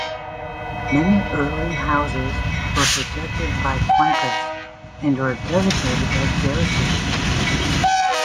Many early houses were protected by flankers, and were designated as garrisons.